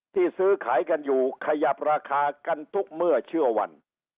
ซื้อขายกันอยู่ขยับราคากันทุกเมื่อเชื่อวัน